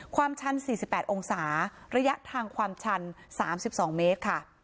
ความชัน๔๘องศาระยะทางความชัน๓๒เมตรค่ะ